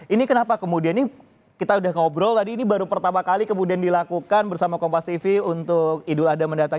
ini kenapa kemudian ini kita udah ngobrol tadi ini baru pertama kali kemudian dilakukan bersama kompas tv untuk idul adha mendatang